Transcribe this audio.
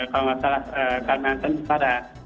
kalau nggak salah kalimantan utara